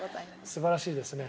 素晴らしいですね。